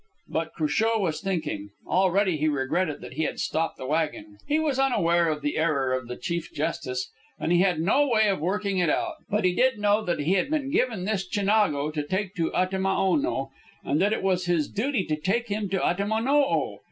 But Cruchot was thinking. Already he regretted that he had stopped the wagon. He was unaware of the error of the Chief Justice, and he had no way of working it out; but he did know that he had been given this Chinago to take to Atimaono and that it was his duty to take him to Atimaono.